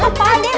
eh apaan tuh